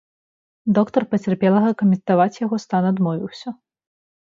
Доктар пацярпелага каментаваць яго стан адмовіўся.